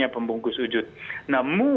pembungkus wujud nah mu